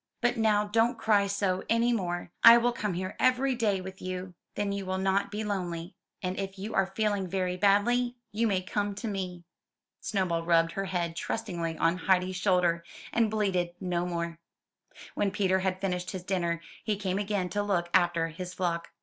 "But now don't cry so any more; I will come here every day with you, then you will not be lonely; and if you are feel ing very badly, you may come to me." Snowball rubbed her head trustingly on Heidi's shoulder, and bleated no more. When Peter had finished his dinner, he came again to look after his flock.